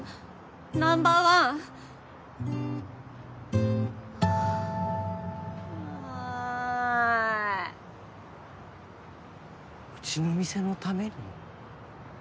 ナンバーワンはあああうちの店のために？